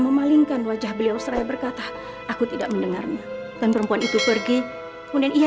memalingkan wajah beliau seraya berkata aku tidak mendengarnya dan perempuan itu pergi kemudian ia